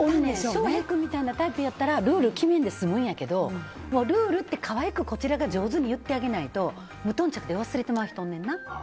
翔平君みたいな人だったらルールを決めんくてもいいんやけどルールって可愛くこちらが上手に言ってあげないと無頓着で忘れてしまう人おんねんな。